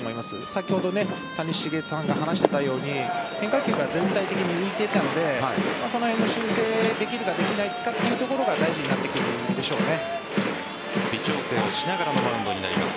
先ほど谷繁さんが話していたように変化球が全体的に浮いていたのでその辺の修正をできるかできないかというところも微調整をしながらのマウンドになります